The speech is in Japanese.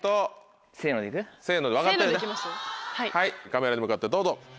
カメラに向かってどうぞ。